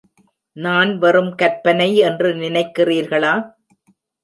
நான் வெறும் கற்பனை என்று நினைக்கிறீர்களா?